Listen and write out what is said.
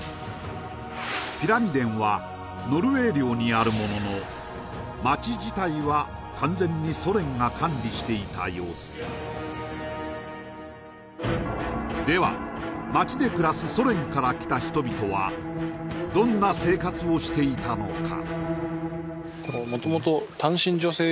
ピラミデンはノルウェー領にあるものの町自体は完全にソ連が管理していた様子では町で暮らすソ連から来た人々はどんな生活をしていたのか？